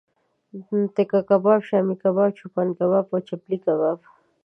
تیکه کباب، شامی کباب، چوپان کباب او چپلی کباب